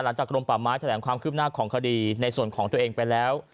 กรมป่าไม้แถลงความคืบหน้าของคดีในส่วนของตัวเองไปแล้ว